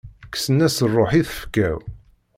Kksen-as rruḥ i tfekka-w.